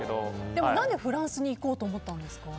でも、何でフランスに行こうと思ったんですか？